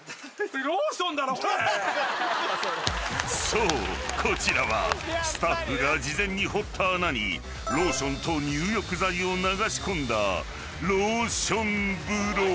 ［そうこちらはスタッフが事前に掘った穴にローションと入浴剤を流し込んだローション風呂］